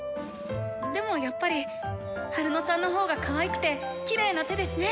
でもやっぱりハルノさんの方がかわいくてきれいな手ですね。